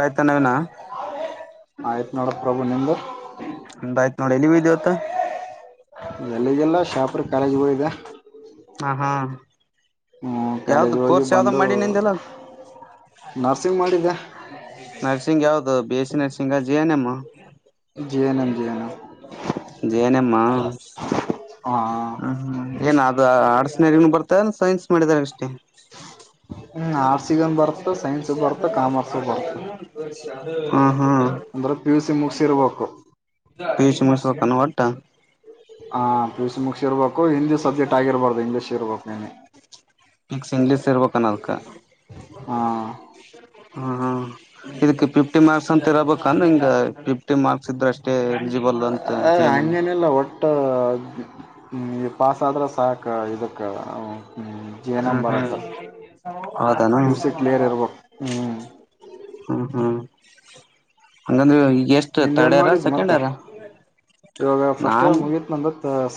ಆಯ್ತಾ ನವಿನ ಒ ನೆಂಬರ್ ಎಾಯ್ತ ನೋಡ ನೀವು ಇದವತ್ತ ಎಲ್ಲಿಗೆಲ್ಲ ಶಾಪುರ್ ಕಾಲೇಜ್ ಊ ಇದ ಹಾ ಹಾ ಹ್ಮ ಕಾಲೇಜ್ ಹೋಗಿ ಬಂದು ನರ್ಸಿಂಗ್ ಮಾಡಿದ್ದೆ ಅದು ಬ ಎಸ ನ ಸಿಿಂಗ ಜಿಯಾನಮ್ಮ G N M G N M ಜೇನಮ್ಮ ಹಾ ಹ್ಮ್ ಹ್ಮ್ ಏನ ಅದು ಆಡ್ ಬರ್ತಾರೆ ಸೈನ್ಸ್ ಮಾಡಿದಾರ ಅಷ್ಟೇ ಹ್ಮ್ ಅ ಆರ್ಟ್ಸಿಗನ್ ಬರ್ತ ಸೈನ್ಸ್ ಬರ್ತ ಕಾಮರ್ಸ್ ಬರ್ತ ಆದ ಹಾ ಹ್ಮ ಅಂದ್ರೆ ಪಿ ಯು ಸಿ ಮುಗಸಿರ್ಬೇಕು ಪಷ ಮಸಕಾನ ಒತಾ ಹಾ ಪಿಯೂಷ ಮುಕ್ಷ ಇರಬೇಕು ಹಿಂದಿ ಸಬ್ಜೆಕ್ಟ್ ಆಗಿರ್ಬಾರ್ದು ಇಂಗ್ಲೀಷ್ ಇರ್ಬೇಕು ನೀನೆ ಮಿಕ್ಸ್ ಇಂಗ್ಲೀಷ್ ಇರ್ಬೇಕ ಅದಕ್ಕೆ ಹಾ ಹಾ್ಕ್ಕೆ ಿಫ್ಟಿ ಮಾರ್ ಅಂತ ಇರಬೇಕ ಅಂದ್ರ ಹಿಂಗ ಫಿಫ್ಟಿ ಮಾರ್ಕ್ಸ್ ಇದ್ರೆ ಅಷ್ಟೇ ಎಲಿಜಿಬಲ್ ಅಂತ ಜ ಎನ್ಮ್ ಹ್ಮ ಈ ಪಾಸ್ ಆದ್ರೆ ಸಾಕ ಇದಕ್ಕೆ ಹ್ಮ್ ಹ್ಮ್ ಜೇನಂಬರಕ್ಕ ಹ್ಮ್ ಹೌದಾನ ಮ್ಯೂಸಿ ಕ್ಲಿಯರ್ ಇರ್ಬೇಕು ಹ್ಮ್ ಹ್ಮ ಹ್ಮ್ ಅಂಗಂದು ನಿಂದ ಏನ್ ಮಾಡಿದ್ದ್ು ಮತ್ತೆ ಇವಾಗ ಫಸ್ಟ್ ನಾನ್ ಮುಗೀತ್ ನಂದ. ಹ.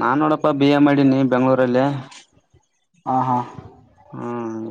ನಾನ್ ನೋಡಪ್ಪ. ಬಿ ಎ ಮಾಡೀಿನಿ ಬೆಂಗ್ಗಳೂರಲ್ಲೇ. ಹಾ ಹಾ. ಹ್ಮ್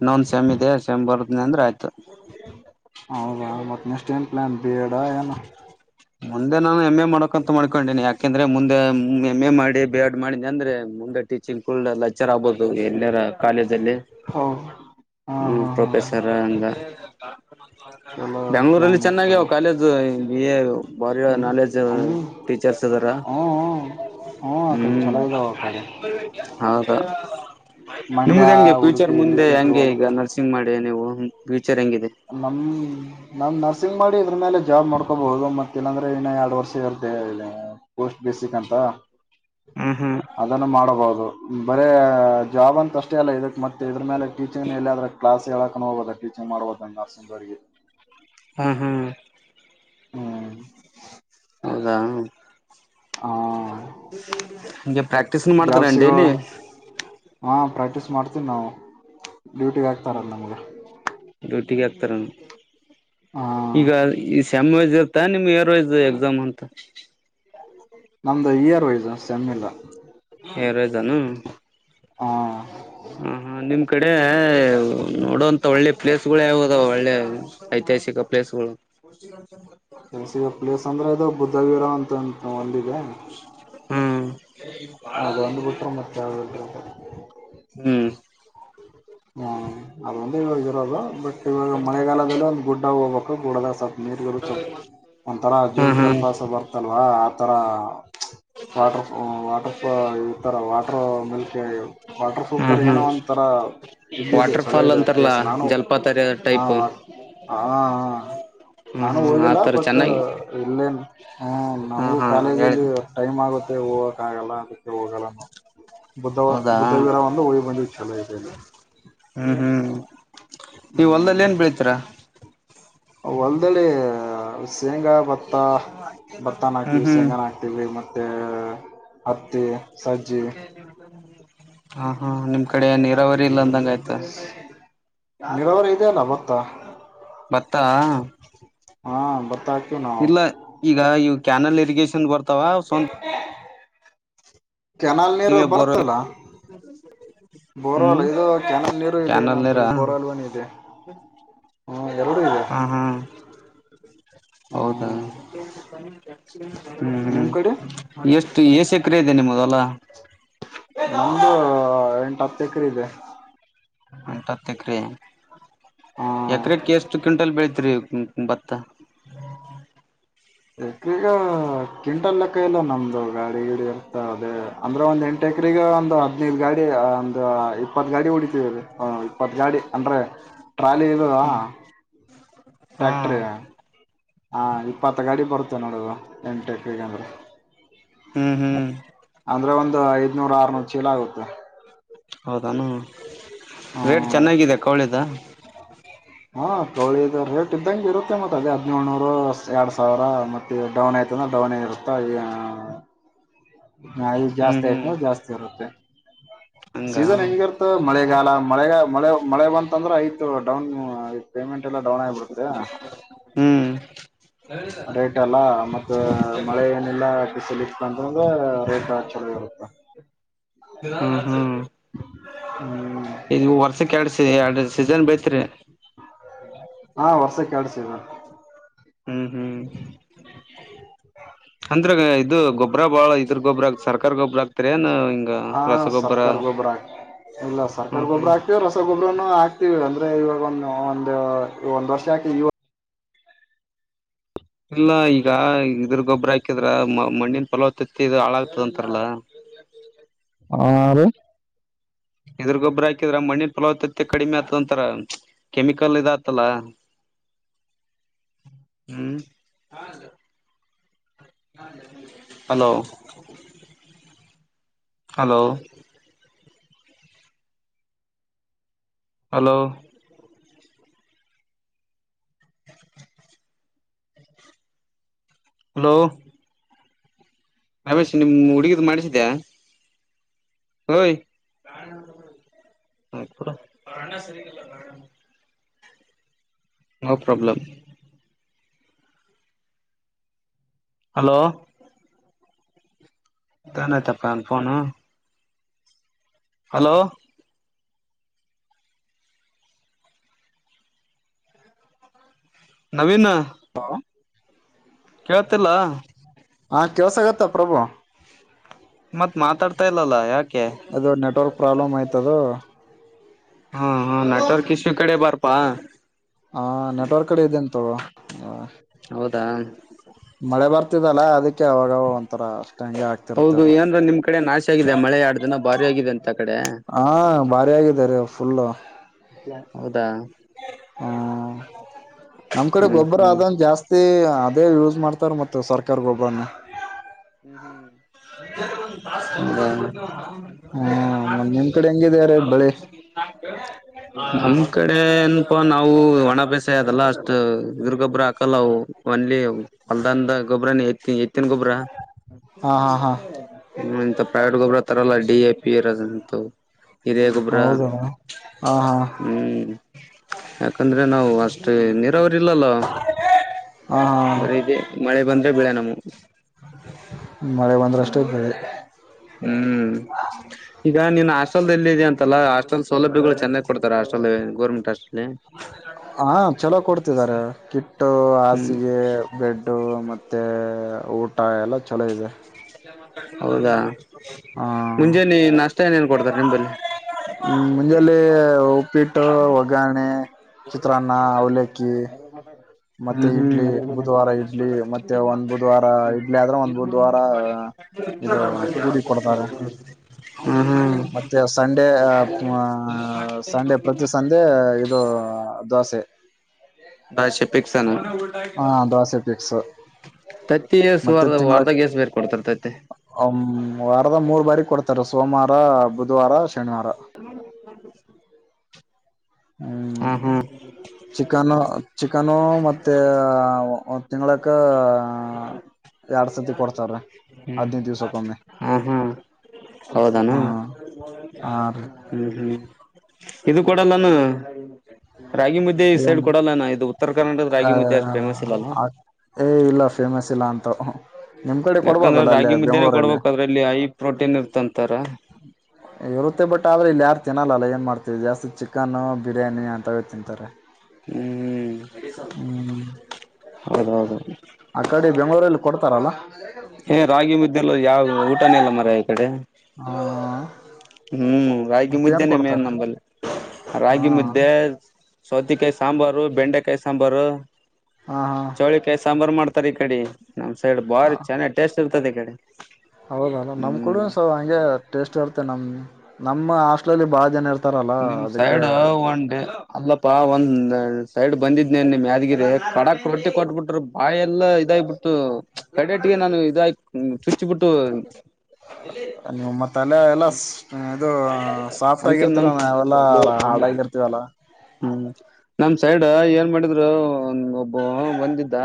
ಇನ್ನೊಂದ್ ಸಮ ಇದೆ ಸಮ್ ಬರುದನಿ ಅಂದ್ರೆ ಆಯ್ತು. ಹೌದಾ ಮತ್ತ ನೆಷ್ಟಟ್ ಏನ್ ಪ್ಲಾನ್. ಬೇಡ ಯನ. ಮುಂದೆ ನಾನು ಎಮ್ಮ ಎ. ಮಾಡೋಕ ಅಂತ ಮಾಡ್ಕೊಂಡಿನಿ ಯಕೆ. ಯಾಕೆಂದ್ರೆ ಮುಂದೆ ಎಂ ಎ ಮಾಡಿ ಬಿ ಎಡ್ ಮಾಡಿ ಅಂದ್ರೆ ಮುಂದೆ ಟೀಚಿಂಗ್ ಕಲ್ಲ. ಆಗ್ಬಹುದು ಎಲ್ಲರ ಕಾಲೇಜ ಅಲ್ಲಿ ಹೌ ಹಾ ಹ್ಮ ಹಾ ಹಾ ಪ್ರೊಫೆಸರ್. ಂದ. ಚಲೋ ಬೆಂಗ್ಳೂರಲ್ಲಿ ಪ್ಲಾನ್ ಇತ್ತು ಚೆನ್ನಾಗಾವ ಕಾಲೇಜು ಬಿ ಎ. ಬಾರಿ ಹ್ಮ್ ನಾಲೆಜ್ ಹ್ಮ್ ಹ್ಞೂ ಟೀಚರ್ಸ್ ಇದದಾರ. ಹ್ಞೂ ಆ ಕಡೆ ಹ್ಮ್ ಚಲೋ ಇದಾವ ಆ ಕಡೆ ಹದ ಮಂಡ್ಯ ನಿಮ್ದ ಹೆಂಗೆ ಫ್ಯೂಚರ್ ಉಡುಪಿ ಮುಂದೆ ಗಿಡುಪಿ ಆ ಕಡೆ ಹಂಗೆ ಈಗ ಹೋಗ್ಬೇಕು ನರ್ಸಿಂಗ್ ಮಾಡಿ ನೀವು. ಹ. ನಮ್ ನಮ್ ನ. ನರ್ಸಿಂಗ್ ಮಾಡಿ ಇದ್ರ ಮೇಲೆ ಜಾಬ್ ಮಾಡ್ಕೋಬಹುದು ಮತ್ತ ಇಲ್ಲಾಂದ್ರೆ ಇನ್ನ ಎರಡು ವರ್ಷ ಇರುತ್ತ ಪೋಸ್ಟ್ ಬೇಸಿಕ್ ಅಂತ. ಹ್ಮ್ ಹ್ಮ್ ಅದನ್ನು ಮಾಡಬಹುದು. ಬರ ಜಾಬ್ ಅಂತ ಅಷ್ಟ. ಲ್ಲ ಇದಕ್ತ್ತೆ ಇದ್ರ ಮೇಲೆ ಕಿಚನ್ ಎಲ್ಲಾದ್ರ ಕ್ಲಾಸ್. ಹ ಹೇಳಕ ಹೋಗದ ಟೀಚಂಗ್ ಮಾಡ್ದು. ಬಂಬಸ ಜಾರ. ಹಾ ಹಾ. ಹ್ಮ್. ಹಾ. ಆ ಹಗೆ ಪ್ರಾಕ್ಟೀಸ್ ಜಾಬ್ ಮಾಡ್ತಾರ ಸಿಗೋ ಡೈಲಿ. ಅ ನ. ಡ್ಯೂಟಿಗೆ ಹಾಕ್ತಾರಲ್ಲ ನಮ್ಗೆ. ದಟಿಗೆ ಆಪ್ತರನು. ಹಾ ಈಗ. ಕೆಮ್ ವೈಸ್ ಇರ್ತಾ ನಿಮ್ಗೆ ಏರ್ ವೈಸ್ ಎಕ್ಸಾಮ್ ಅಂತ. ನಮ್ದು ಇಯರ್ ವೈಸ್ ಸೆಮ್ಮಿಲ್ಲ. ಹ ಜನು. ಹಾ ಹಾ ಹಾ ನಿಮ್. ಕಡೆ ನೋಡುವಂತ ಒಳ್ಳೆ ಪ್ಲೇಸ್ ಗಳು ಯವುದಾವ ಒಳ್ಳೆ ಐತಿಹಾಸಿಕ ಪ್ಲೇಸ್ಗಳು ಸ ಪ್ಲೇಸ್ ಅಂದ್ರೆ ಇದು ಬುದ್ಧ ವೀರ ಅಂತ ಒಂದಿದೆ ಹ್ಮ್ ಅದು ಒಂದು ಬಿಟ್ರೆ ಮತ್ತೆ ಯಾವ್ದು ಇಲ್ರಿ ಅದು ಹ್ಮ್ ಹ್ಮ್ ಅಂದ ಇವರಲ್ಲ ಬಟ್ ಇವಾಗ ಮಳೆಗಾಲದಲ್ಲೂ ಒಂದು ಗುಡ್ಡ ಹೋಗಬೇಕೆ ಗುಡದ ಸ ನೀಟ್ಗಳು ಸ್ವಲ್ ಒಂಥರ ಜೋಗ ಹ್ಮ್ ಹ್ಮ್ ಜಲಪಾಸ ಬರ್ತಲ್ವಾ ಅರ ವಾಟರ್ಫಾಲ್ ವಾಟರ್ ಫಾ ಇ ತರ ವಾ ಹ ಮಲ್ಕ ವಾಟರ್ ಹ್ಮ್ ಸುಲ್ತರ್ ಏನೋ ಹ್ಮ್ ಒಂಥರ ಇದ ಇದು ವಾಟರ್ ಚಲೋ ಫಾಲ್ ಇದೆ ಅಂತಾರಲ್ಲ ಪ್ಲೇಸ್ ನಾನು ಜಲಪಾತ ಹ ಟೈಪ್ ಹ ಹ್ಮ್ ನಾನು ಹ್ಮ್ ಹೋಗಿಲ್ಲ ಆತರ ಬಟ್ ಚೆನ್ನಾಗಿ ಇಲ್ಲೇನ್ ಹಾ ನಮಗೂ ಹಾ ಹೇಳ ಕಾಲೇಜಲ್ಲಿ ಟೈಮ್ ಆಗ ಮತ್ತೆ ಹೋಗಕ್ಕ ಆಗಲ್ಲ ಅದು ಹೋಗಲ್ಲ ಬುದ್ಧ ಹೌದಾ ಬುದ್ಧವೀರ ಒಂದು ಉಯಿ ಬಂದ ಚಲೋ ಈ ಇಲ್ಲಿ ಹ್ಮ್ ಹ್ಮ್ ನೀ ಹೊಲ್ದಲ್ಲಿ ಏನ್ ಹ್ಮ್ ಬೆೀಳತೀರ ಹೊಲ್ದಲ್ಲಿ ಶೇಂಗಾ ಭತ್ತ ಭತ್ತನ ಹ್ಮ್ ಹಾಕ್ತೀವಿ ಹ್ಮ್ ಶೇಂಗಾನ ಹಾಕ್ತೀವಿ ಮತ್ತು ಹ ಹ ತ್ತೆ ಸಜ್ಜೆ ಹಾ ಹಾ ನಿಮ್ ಕಡೆ ನೀ ಫೆಬ್ರವರಿ ಇಲ್ಲ ಹ್ಮ್ ಅಂದಂಗ ಆಯ್ತ ನೀರಾವರಿ ಇದೆಯಲ್ಲ ಭತ್ತ ಬತ್ತಾ ಹಾ ಹಾಕ್ತಿವಿ ನಾವು ಇಲ್ಲ ಈಗ ಈ ಕ್ಯನಲ್ ಇರಿಗೇೇಶನ್ ವರ್ ತವಾ ಸ ಕೆನಾಲ್ ನೀರು ಬರ್ತ್ತಲ್ಲ ಹ್ಮ್ ಬೋರಲ್ ಇದು ಕೆನಾಲ್ ನೀರು ಇದೆ ಕ್ಯಾನಲ್ ನಮ್ ಕಡೆ ನೀರಾ ಬೋರಲ್ವನ ಇದೆ ಹ್ಮ್ ಎರಡು ಇದೆ ಹ್ಮ ಹಾ ಹೌದಾ ಹ್ಮ್ ಹ್ಮ ಹ್ಮ್ ನಿಮ್ ಹ್ಮ್ ಕಡೆ ಎಷ್ಟ ಎ ಸಕ್ರ ಇದೆ ನಿಮ್ಮದಲ್ಲ ನಮ್ದು ಎಟ ತೇಕ್ರದೆ ಎಂಟಾರತಿಕ ರ ಹ್ಮ್ ಎತ್ತರಕ್ಕೆ ಎಷ್ಟು ಕ್ವಿಂಟಲ್ ಬೆಳತ ರಿ ಬತ್ತ ಎಕ್ರ ಈಗ ಕ್ವಿಂಟಲ್ ಲೆಕ್ಕಾಯ ಎಲ್ಲ ನಮ್ದ ಇ ಗಾಡಿ ಗಿಡ ಅದೇ ಅಂದ್ರೆ ಒಂದ್ ಎಂಟು ಎಕ್ರಗ ನ ಗಾಡಿ ಒಂದು ಇಪ್ಪತ್ ಗಾಡಿ ಹೊಡಿತವಿ ರೀ ಇಪ್ಪತ್ ಗಾಡಿ ಅಂದು ಟ್ರಾಲಿ ಇದೆದಾ ಹ್ಮ್ ಹಾ ಟ್ಯಾಕ್ಟ್ರ ಹ ಇಪ್ಪತ್ ಗಾಡಿ ಬರುತ್ತೆ ನೋಡುದು ಎಂಟ ಈಗಂದ್ರೆ ಹ್ಮ್ ಹ್ಮ್ ಅಂದ್ರೆ ಒಂದು ಐದನೂರ ಆರ್ನೂರು ಚೀಲ ಆಗುತ್ತೆ ಹೌದಾನ ರೇಟ್ ಹ್ಮ ಚೆನ್ನಾಗಿದೆ ಕೋಳಿದ ಹಾ ಕೌಳಿಿದ ರೇಟ್ ಇದ್ದಂ ಇರುತ್ತೆ ಮತ್ತತ್ ಅದೇ ಹದ್ಿನೇಳಳ್ನೂರು ಎರಡ್ ಸಾವಿರ ಮತ್ತೆ ಡೌನ್ ಆಯ್ತಂದ್ರ ಡೌನ್ ಇರುತ್ತ ದು ಹ್ಮ್ ಜಾಸ್ತಿ ಹ್ಮ್ ಆಯ್ತ ಜಾಸ್ತಿ ಇರುತ್ತೆ ಹಂಗ ಸೀಸನ್ ಹೆಂಗಿರ್ತ ಮಳೆಗಾಲ ಮಳೆಗ ಮಳೆ ಮಳೆ ಬಂತಂದ್ರೆ ಐತು ಡೌನ್ ಪೇಮೆಂಟ್ ಎಲ್ಲ ಡೌನ್ ಆಗಬಿಡ್ತರಾ ಹ್ಮ್ ರೈಟ್ ಅಲ್ಲ ಮತ್ತ ಮಳೆ ಏನಿಲ್ಲಿಸಲಿ ಬಂದು ರೇಟ್ ಚೆನ್ನ ಇರುತ್ತೆ ಹ್ಮ ಹ್ಮ ಹ್ಮ್ ಇಗ ವರ್ಷಕ್ಕೆ ಎರಡು ಎರಡು ಸೀಜನ್ ಬ ತ್ರ ಹಾ ವರ್ಷಕ್ಕೆ ಆಡ್ಸದ ಹ್ಮ್ ಹ್ಮ್ ಅಂದ್ರ ಇದು ಗೊ ಗೊಬ್ಬ್ರ ಬಾಳ ಇದ್ರ ಗೊಬ್ಬ್ರ ಹ ಸರ್ಕಾರಾರಿ ಗೊಬ್ಬ್ರ ಹಾಕ್ತರ ಏನ್ ಹಿಂಗ ಆ ರಸಗೊಬ್ಬರ ಸರ್ಕಾರ ಗೊಬ್ಬರ ಹಾಕ್ ಇಲ್ಲ ಹ್ಮ ಹ್ಮ ಇವ ಅಂದ್ರೆ ಇವಾಗ ಒಂದು ಒಂದು ಒಂದ್ ವರ್ಷ ಹಾಕಿ ಇಲ್ಲ ಈಗ ಇದ್ರ ಗೊಬ್ಬ್ರ ಹಾಕಿದ್ರ ಮ ಮಣ್ಣಿನ ಫಲಾವತ್ತತಿ ಹಾಳಾಗ್ತದ ಅಂತಾರಲ್ಲ ಹ ಇದ್ರಗೊಬ್ಬ್ರ ಹಾಕಿದ್ರ ಮಣ್ಣಿನ ಫಲಾವತ ಕಡಿಮೆ ಆತಂತರ ಕೆಮಿಕಲ್ ಇದ ಆತಲ್ಲ ಹ್ಮ್ ಹಲೋ ಹಲೋ. ಹಲೋ. ಹಲೋ. ರವೇಶ ನಿಮ್ ಹುಡುಗಿದ ಮಾಡ್ಿಸಿದ್ಯಾ. ಹೈ. ನ ಪ್ರಬಲಮ. ಹಲೋ. ಾನೆ ತಪ್ಪ ಅ ಪನ. ಹಲೋ. ನವೀನ್. ಹಾ. ಕೇಳ್ತಿಲ್ಲ ಹಾ ಕೆಲ್ಸ ಆಗತ್ತ ಪ್ರಭು. ಮತ್ ಮಾತಾಡ್ತಾ ಇಲ್ಲಾ ಯಕೆ. ಅದು ನೆಟ್ವರ್ಕ್ ಪ್ರಾಬ್ಲಮ್ ಆಯ್ತದು. ಹಾ ಹಾ ನಟ್ವರ್ಕ್ ಇಶು ಕಡೆ ಬರ್ಪಾ. ಹಾ ನೆಟ್ವರ್ಕ್ ಕಡೆ ಇದದೆಂತ. ಹಾ. ಹೌದಾ. ಲ್ಲ ಅದಕ್ಕೆ. ಅ ಅವಾಗ ಒಂಥರ ಅಷ್ಟ ಹಂಗೆ ಆಗ್ತಿರುತ್ತೆ ಹೌದು ಅದು ಏನ್ರ ನಿಮ್ ಕಡೆ ನಾಶ ಆಗಿದೆ ಮಳೆ ಎರಡ್ ದಿನ ಭಾರಿ ಆಗಿದೆ ಅಂತ ಕಡೆ ಹಾ ಭಾರಿ ಆಗಿದ ರೀ. ಫುಲ್ಲ. ಹೌದಾ. ಹ್ಮ ನಮ್ ಕಡೆ ಹ್ಮ್ ಗೊಬ್ಬರ ಹ್ಮ್ ಅಂದು ಜಾಸ್ತಿ. ಅದೇ ಯೂಸ್ ಮಾಡ್ತಾರ ಮತ್ತ ಸರ್ಕಾರ ಗೊಬ್ಬರನ್ನ. ಹ್ಮ್. ಹ್ಮ ಮತ್ ನಿಮ್ ಕಡೆ ಹೆಂಗಿದೆ ರೀ ಬೆಳಿ ನಮ್ ಕಡೆ. ನಾವು ಒಣ ಬೇಸೆ ಅದಲ್ಲ ಅಷ್ಟು ಗಿರಿ ಗೊಬ್ಬರ ಹಾಕಲ್ಲಾವು ಒಂದಲ್ಲಿ ಹೊಲ್ದಂದ ಗೊಬರನ ಎತ್ತ ಎತ್ತಿನ ಗೊಬ್ಬರ ಹ. ಹಾ ಹಾ ಹಾ ಇಂತ ಪ್ರವೇಟ್ ಗೊಬರ ತರಲ್ಲ. D A ಪಿರದಂತು. ಹಿರೇ ಗೊಬ್ರ ಹೌದ ಹಾ ಹಾ ಹಾ ಹ್ಮ್ ಯಾಕಂದ್ರೆ ನಾವು ಅಷ್ಟ. [unintelligible] ಇಲ್ಲಲ್ಲ ಹಾ ಬರೀ ಇದೆ ಮಳೆ ಬಂದ್ರೆ ಬೆಳೆ ನಮ. ಮಳೆ ಬಂದ್ರಷ್ಟೇ ಬೆಳೆ. ಹ್ಮ್ ಈಗ ನೀನ್ ಹಾಸ್ಟೆಲ್ಲ್ಲ ಇದಿದೆ ಅಂತಲ್ಲ ಹಾಸ್ಟೆಲ್ ಸೌಲಭ್ಯಗಳು ಚೆನ್ನಾಗ್ ಕೊಡ್ತಾರೆ ಹಾಸ್ಟೆಲ್ ಗೋರ್ಮೆಂಟ್ ಹಾಸ್ಟೆಲ್. ಹಾ ಚಲೋ ಕೊಡ್ತಿದಿದ್ದಾರೆ ಕಿ. ಇ ಹ್ಮ್ ಹಾಸಿಗೆ ಬೆಡ್ಡು ಮ. ಮತ್ತೆ ಊಟ ಎಲ್ಲ ಚಲೋ ಇದೆ. ಹೌದ ಹ ಕೊಡ್ತಾರೆ ನಿಂಬಲ್ಲಿ ಮುಂಜಲ್ಲಿ ಉಪ್ಪಿಟ್ಟು ಒಗರಣೆ ಚಿತ್ರಾನ್ನ ಅವಲ್ಲಕ್ಕಿ ಮತ್ತೆ ಹ್ಮ್ ಹ್ಮ್ ಇಡ್ಲಿ ಬುಧವಾರ ಇಡ್ಲಿ ಮತ್ತೆ ಒಂದ್ ಬುಧವಾರ ಇಡ್ಲಿ ಆದ್ರೆ ಒಂದ್ ಬುಧವಾರ ಇದು ಪೂರಿ ಕೊಡ್ತಾರೆ ಹ್ಮ್ ಹ್ಮ್ ಮತ್ತೆ ಸಂಡೆ ಸಂಡೆ ಪ್ರತಿ ಸಂಡೆ ಇದು ದೋಸೆ ಬಶೆ ಪಿಕ್ಸನು ಹ ದೋಸೆ ಫಿಕ್ಸ್ ತತ್ತಿ ಮತ್ತೆ ತಿಂಗಳ ಸಾರಧವಾರ್ಧ ಎಷ್ಟು ಕೊಡ್ತಾರ ತತಿ ರ ಸೋಮವಾರ ಬುಧವಾರ ಶನಿವಾರ ಹಾ ಹ್ಮ್ ಹಾ ಚಿಕನು ಚಿಕನು ಮತ್ತೆ ಒಂದು ತಿಂಗಳಕ್ಕ ಎರಡ್ ಸತಿ ಕೊಡ್ತಾರ್ರೀ ಹದ್ನೈದು ದಿವ್ಸಕ್ಕೊಮ್ಮೆ ಹಾ ಹಾ ಹೌದಾನ ಹ ಹಾ ರೀ ಹ್ಮ್ ಹ್ಮ್ ಇದು ಕೊಡಲ್ಲಾನು ಏನ್ ಕರ್ನಾಟಕದ ರಾಗಿ ಮುದ್ದೆ ಅಷ್ಟು ಫೇಮಸ್ ಇಲ್ಲಲ್ಲ ಆ ಇಲ್ಲ ಫೇಮಸ್ ಇಲ್ಲ ಅಂತವು ನಿಮ್ ಕಡೆ ಯಾಕಂದ್ರೆ ಕೊಡ್ಬೋದಲ್ಲ ಅಲ್ಲೇ ರಾಗಿ ಮುದ್ದೆನೆ ಬೆಂಗ್ಗಳೂರಲ್ಲಿ ಕೊಡ್ಬೇಕ ಅದ್ರಲ್ಲಿ ಹೈ ಪ್ರೋಟೀನ್ ಇರ್ತಂತಾರ ಇರುತ್ತೆ ಬಟ್ ಆದ್ರೆ ಇಲ್ಲಿ ಯಾರ್ ತಿನಲ್ಲಲ್ಲ ಏನ್ ಮಾಡ್ತೀನ ಜಾಸ್ತಿ ಚಿಕನ್ನು ಬಿರಿಯಾನಿ ಅಂತೇ ತಿಂತಾರೆ ಹ್ಮ್ ಹ್ಮ್ ಹೌದೌದು ಆ ಕಡೆ ಬೆಂಗ್ಗಳೂರಲ್ಲಿ ಕೊಡ್ತಾರಲ್ಲ [inaudible] ಹೇ ರಾಗಿ ಮುದ್ದೆಲ್ಲ ಯಾವ್ ಊಟನೆ ಇಲ್ಲಮಾರಾಯ ಕಡೆ ಹ ಹ್ಮ್ ರಾಗಿ ಮತ್ತೇನ್ ಮುದ್ದೆನೆ ಮೇನ್ ಕೊಡ್ತಾರೆ ನಂಬಲ್ಲಿ ಹಾ ರಾಗಿ ಮುದ್ದೆ ಸ್ ಸೌತೆಕಾಯಿ ಸಾಂಬಾರು ಬೆಂಡೆಕಾಯಿ ಸಾಂಬಾರು ಹಾ ಹಾ ಚೌಳಿಕಾಯಿ ಸಾಂಬಾರು ಮಾಡ್ತ ತರ ಈ ಕಡೆ ನಮ್ಮ್ ಸೈಡ್ ಬಾರಿ ಚೆನ್ನಾಗಿ ಟೇಸ್ಟ್ ಇರತ್ತದೆ ಈ ಕಡೆ ಹೌದಲ್ಲ ನಮ್ ಹ್ಮ್ ಕಡೆನೂ ಹಂಗೆ ಟೇಸ್ಟ್ ಇರುತ್ತೆ ನಮ್ ನಮ್ಮ ಹಾಸ್ಟೆಲ್ ಅಲ್ಲಿ ಬಾಳ ಜನ ಇರ್ತಾರೆ ನಿಮ್ ಸೈಡ್ ಒನ್ ೇ ಅಲ್ಲಪ ಒಂದ ಸೈಡ್. ಬಂದಿದ್ನ ನಿಮ್ಮ್ ಯಾದಗಿರಿ ಕಡಕ್ ರೊಟ್ಟಿ ಕೊಟ್ಬಿಟ್ರ ಬಾಯ ಎಲ್ಲಾ ಇದಾಗಬಿಟ್ಟು ಕಡೆಟಿಗೆ ನಾನು ಇದ. ನಿವುಮ್ಮತ್ತಲೆ ಎಲ್ಲ ಇದು ಸಾಫ್ಟ್ ಅದಕ್ಕೆ ನಮ್ ಆಗಿರ್ತರ. ಅಲ್ಲ ಹಾಡ ಇರ್ತೀವ ಅಲ್ಲ. ನಮ ಸೈಡ್ ಏನ್ ಮಾಡಿದ್ರು ಒ. ಬ ಬಂದಿದ್ದ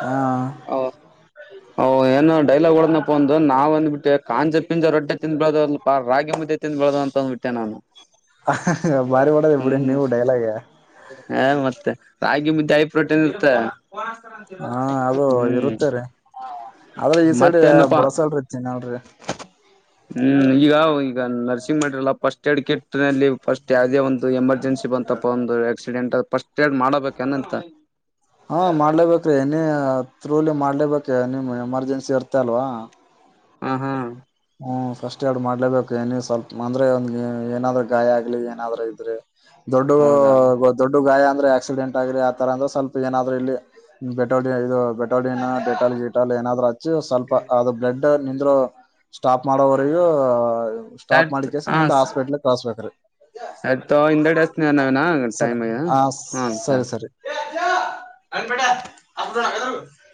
ಹ ಹ. ್ಏೋ ಡೈಲಾಗ್ ಒಓಡ್ನಪ್ಪ ಒಂದು ನಾವ್ಂದ್ಬಿಟ್ಟೆ ಕಂಜ ಪಿಂಜ ರೊಟ್ಟ ತಿಂದ್ ಬೆಳ್ದ ಅಲ್ಪ ರಾಗಿ ಮುದ್ದೆ ತಿಿಂದ್ ಬೆಳ್ದ ಅಂತ ಅಂದ್ಬಿಟ್ಟೆ ನಾನು. ಬಾರಿ ಮಾಡದ ಬಿಡಿ ಹ್ಮ್ ನೀವು ಡೈಲಾಗ. ಹ ಮತ್ತೆ ರಾಗಿ ಮಾಳಿ ಪ್ರೋಟೀನ್ ಇರ್ತ್ತ. ಹಾ ಅದು ಇರುತ್ತೇರಿೀ ಆದ್ರ ಈ ಸೈಡ್ ಮತ್ತೇನಪ್ಪಾ ಬಳಸಳರಿಿ ಇನ್ನಲ್ಲ ರೀ. ಹ್ಮ್ ಈಗ ಈಗ ನರ್ಸಿಂಗ್ ಮಾಡ್ರಲ್ಲ ಪಫಸ್ಟ್ ಏಡ್ ಕೆಟ್ಟ. ಲ್ಲಿ ಫಸ್ಟ್ ಯಾವುದೇ ಒಂದು ಎಮರ್ಜೆನ್ಸಿ ಬಂತಪ್ಪ ಒಂದು ಆಕ್ಸಿಡೆಂಟ್ ಫಸ್ಟ್. ಏಡ್ ಮಾಡಬೇಕೇನಂತ ಹಾ ಮಾಡ್ಲೇಬೇಕ್ರೀ ಏನ. ಥತ್ರೂಲಿ ಮಾಡಲೇಬೇಕೇ ನಿಮ್ಮ ಎಮರ್ಜೆನ್ಸಿ ಇರ್ತ ಅಲ್ವಾ. ಹಾ ಹಾ. ಹ್ಞೂ ಫಸ್ಟ್ ಎರಡು ಮಾಡ್ಲೇಬೇಕು ಏನ ಸ್ವಲ್ಪ ಅಂದರೆ ಒಂದು ಏನಾದರೂ ಗಾಯ ಆಗಲಿ ಏನಾದರೂ ಇದ್ರೆ. ದೊಡ್ಡ ಹೌದಾ ದೊಡ್ಡ ಗಾಯ. ್ರ ಆಕ್ಸಿಡೆಂಟ್ ಆಗ್ರಿ ಆ ತರ ಅ್ರ ಸ್ವಲ್ಪ ಏನಾದ್ರರು ಇಲ್ಲಿ ಬೆಟ ಇದು ಬೆ. ಟಾಲನ್ ಟಾಲಿಟಾಲ ಏನಾದರುಚ್ಚಿ ಸ್ವಪ ಅದು ಬ್ಲಡ್. ನಿಂತ. ಸ್ಟಾಪ್ ಮಾಡೋವರಿಗೂ ಸ್ಟಾಪ್ ಮಾಡ ಸಟ್ ಕೆಸ ಹ ಮುಂದೆ ಹಸ್ಪಿಟ್ಲ್ ಕಳಸ್ಬೇಕ್ರೀ ಸಟ್ ಹಿಂದೆಡೆ ಹಚ್ತಿನಿ ನಾವೇನಾ ಟೈಮ್ ಆಗ್ಯದ ಹಾ ಸರಿ ಸರಿ. ಆಗ ಜಣಾಗ ತಾರ.